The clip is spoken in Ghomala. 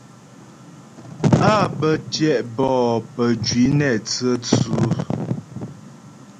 Á bə́ tyɛ' bɔ'ó pə́jwǐ nɛ tsə̌tsʉ.